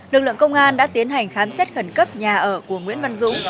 lực lượng công an đã tiến hành khám xét khẩn cấp nhà ở của nguyễn văn dũng